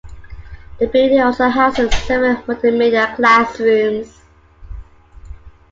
The building also houses several multimedia classrooms.